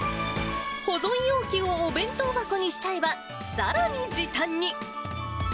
保存容器をお弁当箱にしちゃえば、さらに時短に。